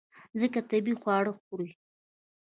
ځکه طبیعي خواړه خوري.